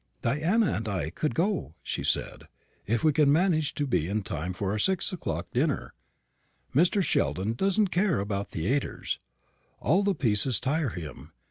"Diana and I could go," she said, "if we can manage to be in time after our six o'clock dinner. Mr. Sheldon does not care about theatres. All the pieces tire him.